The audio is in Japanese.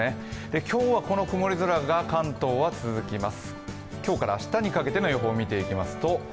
今日はこの曇り空が関東は続きます。